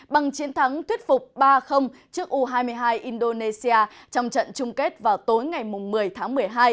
bằng chiến thắng thuyết phục ba trước u hai mươi hai indonesia trong trận chung kết vào tối ngày một mươi tháng một mươi hai